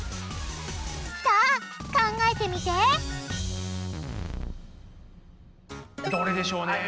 さあ考えてみてどれでしょうね。